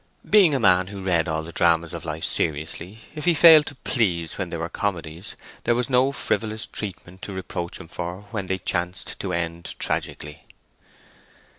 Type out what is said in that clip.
Being a man who read all the dramas of life seriously, if he failed to please when they were comedies, there was no frivolous treatment to reproach him for when they chanced to end tragically.